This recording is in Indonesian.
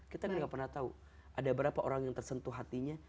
kita gak pernah tahu ada berapa orang yang tersentuh hatinya